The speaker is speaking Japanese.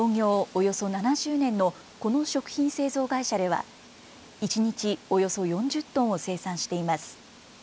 およそ７０年のこの食品製造会社では一日およそ４０トンを生産しています。